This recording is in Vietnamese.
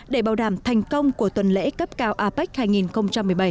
để bảo đảm thành công của tuần lễ cấp cao apec hai nghìn một mươi bảy